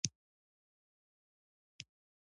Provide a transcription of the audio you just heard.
ما ترې وپوښتل چې پلار دې لا هم د سیاسي اسلام کار کوي؟